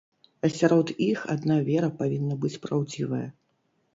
А сярод іх адна вера павінна быць праўдзівая.